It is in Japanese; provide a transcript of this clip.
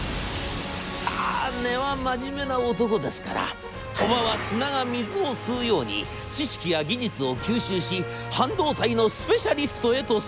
さあ根は真面目な男ですから鳥羽は砂が水を吸うように知識や技術を吸収し半導体のスペシャリストへと成長します。